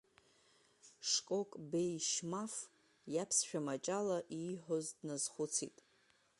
Шкок Беи Шьмаф иаԥсшәа маҷ ала ииҳәоз дназхәыцит.